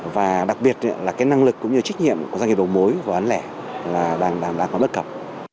và đặc biệt là cái năng lực cũng như trách nhiệm của doanh nghiệp đầu mối và bán lẻ là đang là có bất cập